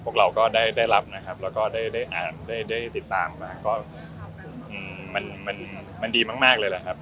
นะคะได้อ่านได้ติดตามมาก็มันมันมันดีมากมากเลยนะครับ